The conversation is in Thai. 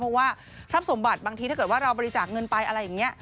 เพราะว่าทรัพย์สมบัติบางทีถ้าเกิดว่าเราบริจาคเงินไปอะไรอย่างนี้